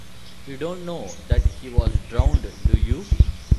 You don’t know that he was drowned, do you?